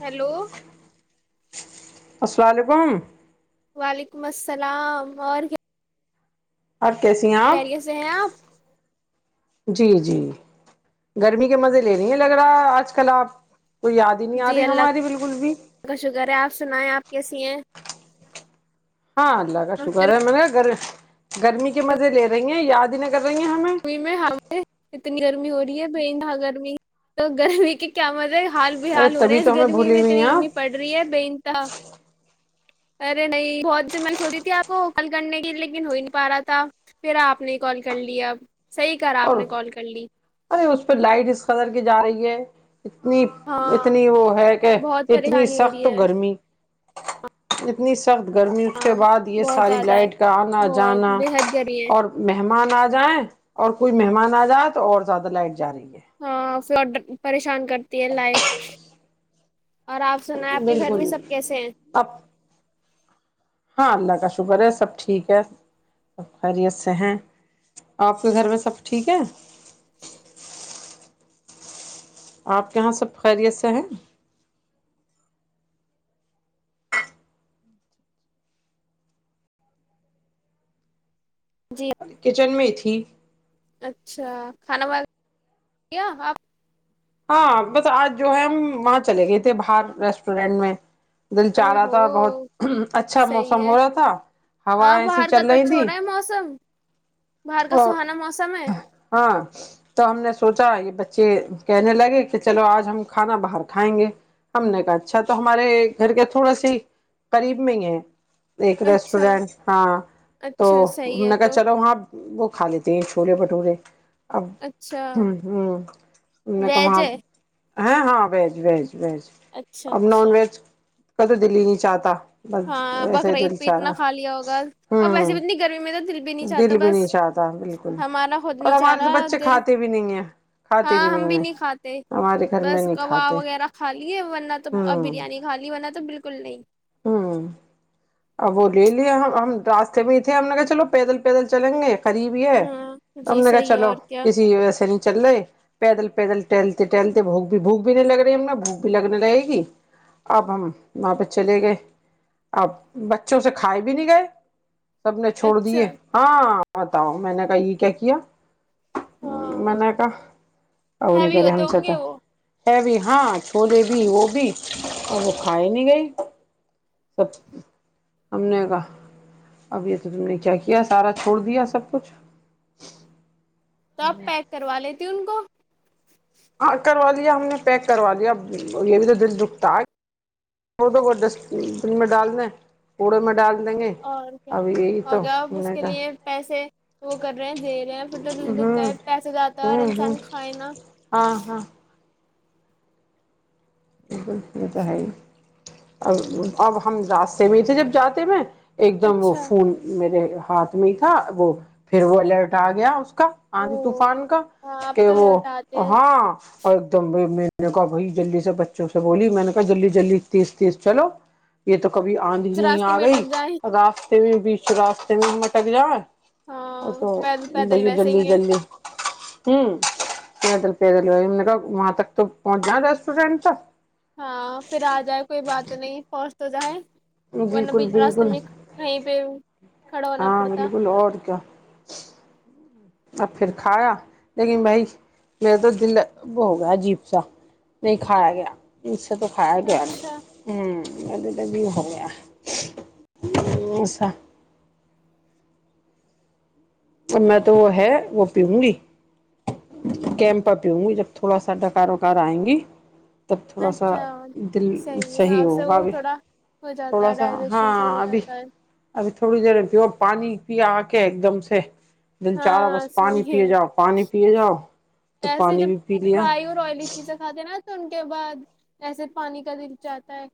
Hello السلام علیکم وعلیکم السلام اور کیا اور کیسی ہیں آپ خریے سے ہیں آپ جی جی گرمی کے مزے لے نہیں لگ رہا آج کل آپ کو یاد ہی نہیں آ جی رہی اللہ ہماری بالکل بھی کا شکر ہے آپ سنائیں آپ کیسی ہیں ہاں اللہ کاا شکار ہے م گری گرمی کے مزے لے رہی ہیں یاد ن ئی میں ہمیں اتنی گر ہو رہی ہے باں گرمی تو گرمی کی کیا مزے حال بحال ہو رہے تبھی ہیں تو اس ہمیں گرمی بھولی میں ہوئی ہیں اتنی گرمی آپ پڑ رہی ہے بےتہ ارے نہیں بہت سے میں سو رہی تھی آپ کو کال کرنے کی لیکن ہو ہی نہیں پا رہا تھا پھر آپ نے کال کر لیا ا صحیح کرا آپ اور نے کال کر لی ارے اس پہ لائٹ اس قدر کی جا رہی ہے اتنی ہاں اتنی وہ ہے کہ بہت اتنی پریشانی ہو سخت رہی ہے گرمی [unintelligible] سخت گرمی اس کے ہاں بعد یہ بہت ساری زیادہ ہے لائٹ کا آنا بہت جانا بے حد گرمی ہے اور مہمان آ جائیں اور کوئی مہمان آ جات اور زیادہ لائٹ جاری ہے [unintelligible] ہاں پریشان کرتی ہے لائٹ اور آپ سنایں آپ کے گھر میں سب کیسے ہیں اب ہاں اللہ کا شکر ہے سب ٹھیک ہے خیریت سے ہیں آپ کے گھر میں سب ٹھیک ہے آپ کے یہاں سب خیریت سے ہیں جی کچن میں تھی اچھا کھانا و آپ ہاں بس آج جو ہے ہم وہاں چلے گئے تھے باہر ریسٹورینٹ میں دل چا او رہا تھا ہو بہت اچھا صحیح موسم ہے ہو رہا تھا ہوا ہاں ایسی باہر کا چل تو رہی اچھا ہو تھی رہا ہے موسم باہر کا اور سہانا موسم ہے ہاں تو ہم نے سوچا یہ بچے کہنے لگے کہ چلو آج ہم کھانا باہر کھائیں گے ہم نے کہا اچھا تو ہمارے گھر کے تھوڑا س ہی قریب میں ہی ہے ایک اچھا ریسٹورینٹ ہاں تو اچھا صحیح ہے نے کہ تو چلو وہاں وہ کھا لیتے ہیں چھولے بھٹورے ا اچھا ہوں ہوں کہ ویج وہاں ہے ہاں ہاں وج وج وج اچھا اب نان اچھا ویج کت دلی نہیں چاہتا بس ہاں ویسے ہی بقرعید دل پہ چاہ اتنا رہا کھا لیا ہوگا ہ اور ویسے بھی اتنی گرمی میں تو دل بھی نہیں دل چاہتا بھی نہیں بس چاہتا بالکل ہمارا خود اور نہیں چاہ ہمارے تو رہا بچے دل کھاتے بھی نہیں ہیں کھاتے ہاں بھی ہم نہیں ہے نہیں کھاتے بس کباب وغیرہ کھا لیے ورنہ تو اور ہوں بریانی کھا لی ورنہ تو بالکل نہیں ہاں اب وہ لے لیا ہم ہم راستے میں ہی تھے ہم نےگ چلو پیدل پیدل چلیں گے قریب ہی ہے ہاں ت ہم جی نے کہا صحیح ہے چلو اور کیا کسی ویسے نہیں چل رہے پیدل پیدل ٹہلتے ٹہلتے بھوک بھی بھوک بھی نہیں لگ رہی ہم نا بھوک بھی لگنے رہے گی اب ہم وہاں پہ چلے گئے اب بچوں سے کھائے بھی نہیں گئے سب نے چھوڑ دیے اچھا ہاں بتاؤ میں نے کہا یہ کیا کیا ہاں من کا ا نہیں ہیوی کر ر ہم ہوتے ہم ہوں چتے گے وہ ہے بھی ہاں چھولے بھی وہ بھی اور وہ کھاائے نہیں گئی سب ہم نے کا اب یہ تو تم نے کیا کیا سارا چھوڑ دیا سب کچھ سب پیک کروا لیےتے ت کو ہاں کروا لیا ہم نے پیک کروا لیا یہ بھی تو دل رکتا ڑ دو کو ڈسٹبین میں ڈال دیں کوڑے میں ڈال د اور کیا ہوگیا آپ اس نے کے کہا لیے پیسے وہ کر رہے ہیں دے رہے ہیں پھر تو دکھتا ہوں ہے پیسے جاتا ہے اور ہوں ہوں انسان کھائے نا ہاں ہاں بالکل یہ تو ہے ا اب ہم راستے میں ہی تھے جب جاتے میں ایک دم وہ اچھا فون میرے ہاتھ میں ہی تھا وہ پھر وہ الرٹ آ گیا اس کا او آدی طوفان کا ہاں اب کہ تو وہ لوٹاتے ہیں ہاں اور ایک دم نے کافی جلدی سے ب بولی میں نے کہا جلدی جلدی تیس تیس چلو یہ تو کبھی آندھی ہی نہیں راستے آ میں گئی اٹک جائیں اگا ت وشو راستے میں مٹک جا اور ہاں تو پیدل پیدل بھیا ویسے جلدی ہی ہیں جلدی ہ پیدل پیدل ہو نے وہاں تک تو پہنچنا ریسٹورینٹ تک ہاں پھر آ جائے کوئی بات نہیں پ تو ج ہے بالکل بالکل پہ کھڑا ہونا ہاں پڑتا بالکل اور کیا اب پھر کھایا لیکن بھائی میرے تو دل وہ ہو گیا عجیب سا نہیں کھایا گیا اس تو تو خھائے لا ن اچھا ہوں گد ت بھی ہو گیاسا تو میں تو وہ ہے وہ پیوں گی کیم پا پیوں گی جب تھوڑا سا ڈکار وکار آئیں گی تب تھوڑا سا اچھا دل ہے ہاں صحیح اس سے ہوگا وہ ابھی تھوڑا ہو جاتا تھوڑا ہے سا ہاں ڈائجیشن صحیح ہو ابھی جاتا ہے ابھی تھوڑی دیر پیو پانی پی آکے ایک دم سے دل چاہرا بس ہاں پانی صحیح ہے پیے جاؤ پانی پیے جاؤ تو ایسے پانی جب بھی پی لیا فرائی اور آئلی چیزیں کھاتے ہیں نا تو ان کے بعد ایسے پانی کا دل چاہتا ہے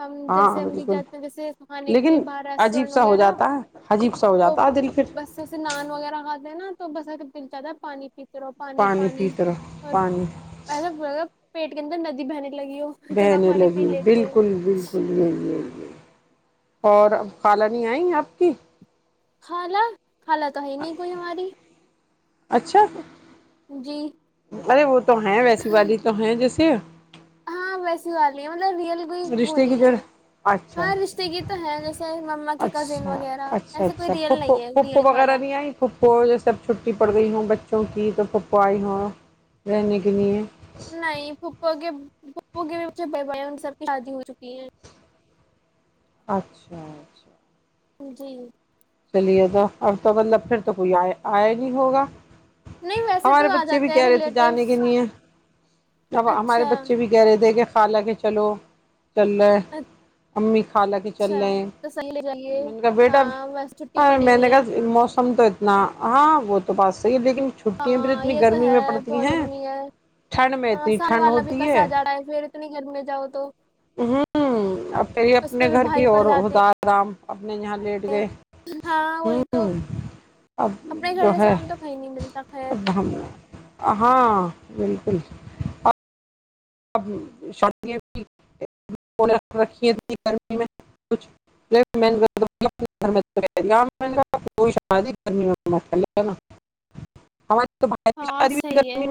ہم ہاں جیسے ہم بھی بالکل جاتے ہیں جیسے کھانے کے لیے لیکن باہر عجیب ریسٹورینٹ سا ہو وغیرہ جاتا ہے عجیب سا ہو تو جاتا ہے دل کوں بس ایسے نان وغیرہ کاتے ہیں نا تو بس دل چاہتا ہے پانی پانی کی طرح پانی [unintelligible] پیٹ کے اندر ندی بہنے لگی ہو اتنا بہنے پانی پی لگی لیتے ہیں۔ بالکل بالکل یہی یہی یہی اور اب خالا نہیں آئی آپ کی خالا خالا تو ہے نہیں کوئی ہماری اچھا جی ارے وہ تو ہے ویسی والی تو ہے جس [unintelligible] ہاں ویسی والی ہے مطلب ریئل کوئی وہ رشتے کی نہیں جو ہے اچھا ہاں رشتے کی تو ہے جیسے مما اچھا کی کزن اچھا وغیرہ اچھا ایسے کوئی اچھا پھھ ریئل نہیں ہے پھوپھو ریئل خالہ وغیرہ نہیں آئی پھھو یہ سب چھٹی پڑ گئی ہوں بچوں کی تو پھپھوایی رہنے کے لیے ابو کے بچے بڑھے ہے ان سب کی شادی ہو چکی ہیں اچھا اچھا جی چلیے تو آپ کا مطلب پھر تو کوئی آیا آیا نہیں ہوگا نہیں ویسے ہمارے تو آ بچے بھی جاتے ہیں کہہ رہے تھے جانے ریلیٹیوس کے لیے اب ہمارے اچھا بچے بھی گہ رے تھے کہ خالا کے چلو چل رہے امی خالا کے چل اچھا رہے ہیں تو صحیح لے جائیے میں نے کہا بیٹا ہاں بس چھٹی اور پڑی میں ہوئی نے ہے کہا موسی ہم کو اتنا ہاں وہ تو پاس میں ہی ہے لیکن چھٹییاں بھی تو ہاں اتنی یہ گرمی ہے میں پڑتی بہت ہیں گرمی ہے ٹھنڈ میں ہاں اتنی سامنے ٹھنڈ والا بھی ہوتی ہے کسا جا رہا پھر اتنی گرمی میں جاؤ تو ہمم اب یہ اس اپنے پہ بھی گھر پے ہی بھاری پڑ جاتے ہیں ہوتا ہے آرام میں یہاں لیٹ گئے ہاں وہی تو ہوں اب اپنے گھر جو جیسا ہے آرام تو کہیں نہیں ملتا خیر اب ہم ہاں بالکل [unintelligible] [unintelligible] ہاں صحیح ہے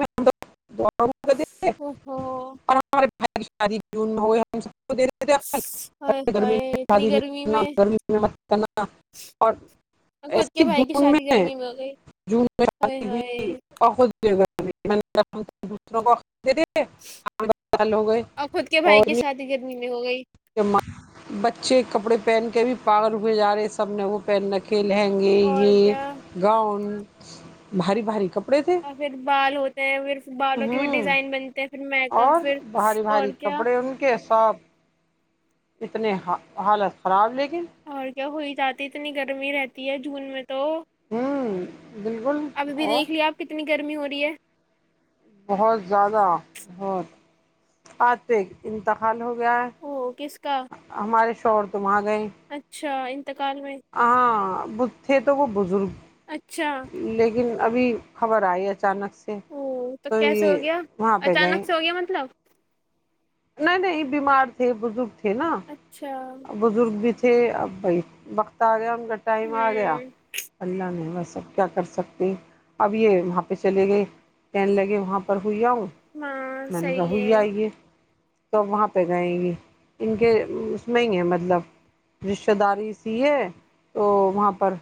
او ہو اور ہمارے بہ کی شادی جون میں ہوئے ہم ہائے گرمی میں ہائے شادی اتنی نہیں گرمی کرنا میں گرمی میں کرنا اور اور خود ایسے کے بھائی کی جون شادی میں گرمی ہو گئی جون میں ہائے شی ہائے بھی ب [inaudible] آ ب سال ہو گئے اور خود کے اور بھائی کی شادی گرمی ہو گئی بچے کپڑے پہن کے بھی پاگل رے جا رہے سب نے وہ پہن رکھ کے لہیںنگے اور کیا یہ گاؤن [inaudible] ہوں اور بھاری بھاری کپڑے [unintelligible] [inaudible] [unintelligible] اور کیا ہوئی جاتی اتنی گرمی رہتی ہے جون میں تو ہوں بالکل ابھی اور دیکھ لیا اپ کتنی گرمی ہو رہی ہے بہت زیادہ انتہا لوگ یار او کس کا ہمارے شوہر تم ا گئے [inaudible] ا بت تھے تو وہ اچھا بزرگ لیکن ابھی خبر ائی ہے اچانک سے تو یہ وہاں پہ گئے [unintelligible] نہیں نہیں بیمار تھے اچھا ہوں بزرگ [inaudible] [inaudible] تے اپ بھائی وقت ا گیا بس ائمہ ا گیا اللہ نے بس اب کیا کر سکتے ہیں اب یہ وہاں پہ چلے گئے کہنے لگے وہاں پر ہاں میں نے صحیح کہا یہ ائی ہے تو وہاں پہ جائیں گے ان کے نہیں ہے مطلب رشتہ داری سی ہے تو وہاں پر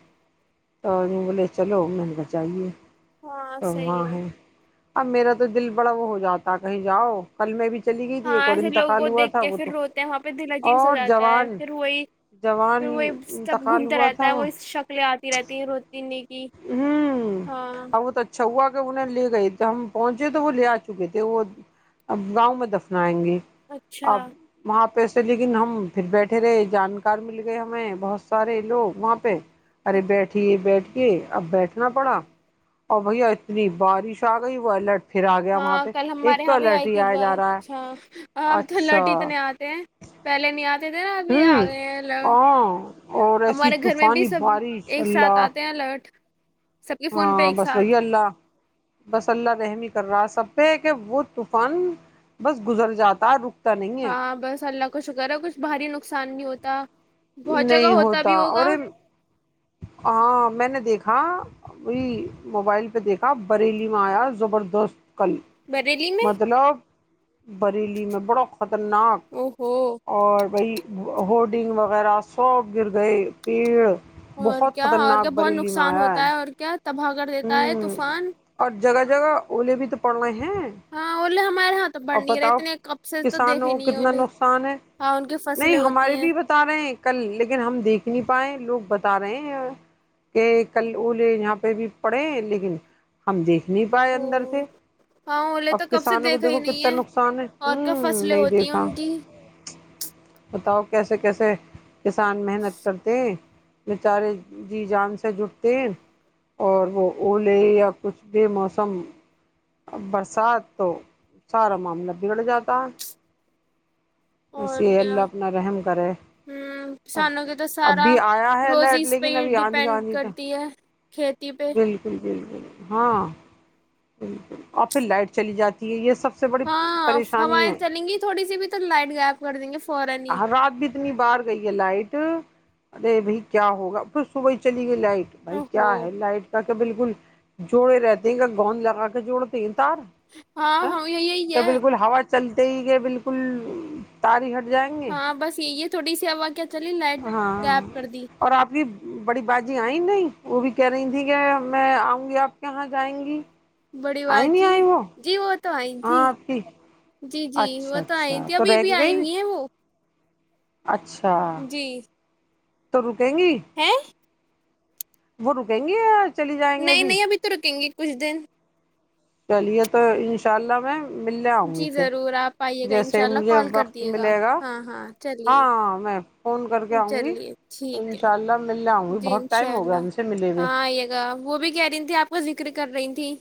لے چلو چاہیے ہاں تو صحیح وہاں ہے اب میرا تو دل بڑا وہ ہو جاتا ہے کہیں جاؤ کلمے بھی چلی گئی تھی ہاں ایک اور ایسے لوگ انتقال وہ ہوا تھا دیکھتے ہیں وہ پھر تو روتے ہیں وہاں پہ دلچسپ ہو اور جاتا ہے جوان پھر وہی پھر جوان وہی سب انتقال گھومتا ہوا رہتا تھا ہے وہ اس شکلیں اتی رہتی روتی نہیں کی ہاں بہت اچھا ہوا تو انہوں نے لے گئی تو ہم پہنچے تو وہ لے ا چکے تھے وہ اب گاؤں میں دفنائیں گے اچھا اب وہاں لیکن ہم پھر بیٹھے رہے جانکار مل گئے ہمیں بہت سارے لوگ وہاں پہ ارے بیٹھی بیٹ کہ اپ بیٹھنا پڑا اور وہی اتنی بارش اگئی وائلٹ ا کل ہمارے ہاں بھی ائی تھی جا رہا ہے اچھا اپ اچھا تھلٹی اتنے اتے ہیں پہلے نہیں ابھی ہوں اگئے ہیں لو ہاں اور ایسی ہمارے گھر میں بھی طوفانی سب بارش ایک ساتھ اللہ اتے ہیں لوٹ ہاں بس وہی اللہ بس اللہ رحمی کر راس سبتے ہے کہ وہ طوفان بس گزر جاتا ہے رک ہاں بس اللہ کچھ کرا کچھ بھاری نقصان بھی ہوتا بہت جگہ نہیں ہوتا بھی اور ہوگا ہاں میں نے دیکھا وہی موبائل پہ دیکھا بریلی میں آیا زبردست کل بری لی میں مطلب بریلی میں بڑا خطرناک او ہو اور وہی ہوڈنگ وغیرہ سب گر گئے پیڑ اور بہت کیا اور خطرناک کیا بہت بریلی میں نقصان آیا ہوتا ہے اور کیا تباہ کر دیتا ہے ہ طوفان اور جگہ جگہ اے بھی تو پڑنا ہی ہاںے ہم ا بتاؤ دیکھے کسانوں نہیں کتنا اولے نقصان ہے ہاں ان کی نہیں فصلیں ہوتی ہمارے ہیں بھی بتا رہے ہیں کل لیکن ہم دیکھ نہیں پائے لوگ بتا بتا رہے ہیں کہ کل وہ لے یہاں پہ بھی پڑے لیکن ہم دیک نہیں پائے او اندر سے ہاں اولے اب تو کب سے کسانوں کو دیکھا ہی دیکو کتنے نہیں ت ہے نقصان ہے اور کیا ہوں فصلیں نہیں ہوتی ہیں دیکھا ان کی بتاؤ کیسے کیسے کسان محنت کرتے بیچارے جی جان سے جٹتے ہیں اور وہ اولے یا کچھ بھی موسم برسات تو سارا معاملہ بگڑ جاتا ہے وس اور کیا اللہ اپنا رحم کرے ہوں اب کسانوں کے تو سارا ابھی آیا ہے ال روزی لیکن ابھی آندھی آندھی تو کھیت بالکل بالکل ہاں اور پھر لائٹ چلی جاتی ہے یہ سب سے بڑی ہاں پریشانی ہوائیں ہے چلیں گی تھوڑی سی بھی تو لائٹ غائب کر دیں گے فورن ہی رات بھی اتنی بار گئی ہے لائٹ ارے بھائی کیا ہوگا پھر صبح ہی چلی گئی لائٹ بھائی او ہو کیا ہے لائٹ کا کیا بالکل جوڑے رہتے ہیں گ ب لاک چوڑ تین ہاں ہاں یہ یہی تو ہے بالکل ہوا چلتے ہی گ بالکل تاری ہٹ جائیں گے ہاں بس یہی ہے تھوڑی سی ہوا کیا چلی لائٹ غائب ہاں کر دی اور آپ کی بڑی بازی آئی نہیں وہ بھی کہہ رہی تھی کہ میں آؤں گی آپ کے یہاں جائیں گی بڑی آئی بات نہیں جی آئی وہ جی وہ تو آئ تھی ہاں آپ کی جی جی وہ اچھا تو آئی اچھا تھی تو ابھی رہ ابھی کے آئی گئی ہوئی ہے وہ اچھا جی تو ر تینگی ہیں گرو کہیں گے نہیں نہیں ابھی تو رکیں گے کچھ دن چلیے تو انشاء اللہ میں ملنے آؤں گی جی پھر ضرور آپ آئیے گا جیسے انشاء ہی اللہ مجھے کال کر وقت دیے ملے گا ہاں ہاں چلیے ہاں میں فون کر کے آؤں گی چلیے ٹھیک انشاء اللہ ملنے آؤں ہے گی جی بہت انشاء ٹائم ہو گیا اللہ ان سے ملے ہوئے ہاں آئیے گا وہ بھی کہہ رہی تھی آپ کا ذکر کر رہی تھیں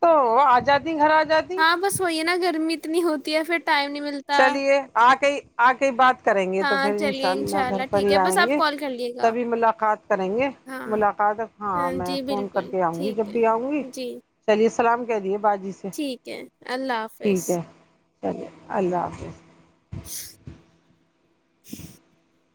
تو آ جاتی گھر آ جاتی ہاں بس وہی نا گرمی اتنی ہوتی یا پھر ٹائم نہیں ملتا چلیے آ کے ہی آ کے ہی بات کریں گے تو ہاں پھر ان شاء چلیے اللہ انشاء اپ گھر پر ٹھیک ہی ہے بس آئیں آپ گے کال کر لیے گا تبھی ملاقات کریں گے ہاں ملاقات ہاں میں جی فون کر بالکل کے آؤں گی جب ٹھیک ہے بھی آؤں گی جی چلیے سلام کہہ دیے باجی سے ٹھیک ہے اللہ حافظ ارے اللہ حافظ [unintelligible] [inaudible]